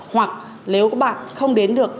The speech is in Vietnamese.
hoặc nếu các bạn không đến được